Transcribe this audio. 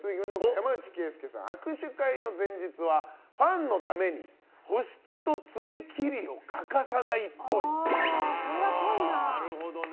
山内惠介さんは握手会の前日はファンのために保湿と爪切りを欠かさないっぽい。